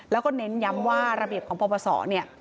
แล้วก็เน้นย้ำว่าระเบียบของพบช